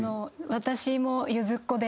私もゆずっこで。